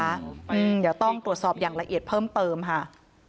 เดี๋ยวต้องตรวจสอบอย่างละเอียดเพิ่มเติมค่ะ